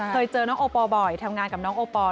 เคยเจอน้องโอปอลบ่อยทำงานกับน้องโอปอล